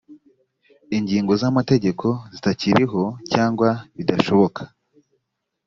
ingingo z amategeko zitakiriho cyangwa bidashoboka